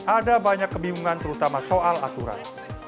ada banyak kebingungan terutama soal aturan